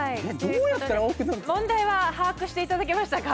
問題は把握していただけましたか？